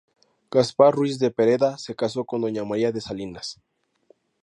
Gaspar Ruiz de Pereda se casó con Doña María de Salinas.